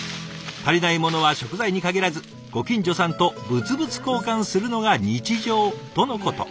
足りないものは食材に限らずご近所さんと物々交換するのが日常とのこと。